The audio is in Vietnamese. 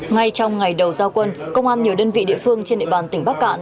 ngay trong ngày đầu giao quân công an nhiều đơn vị địa phương trên địa bàn tỉnh bắc cạn